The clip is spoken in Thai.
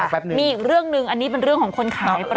พักแป๊บนึงมีอีกเรื่องนึงอันนี้เป็นเรื่องของคนขายประกัน